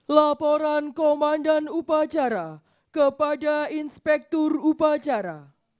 laporan komandan upacara kepada inspektur upacara